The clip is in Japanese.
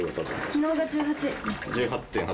昨日が１８。